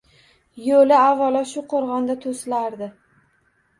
Yo‘li avvalo shu qo‘rg‘onda to‘silardi.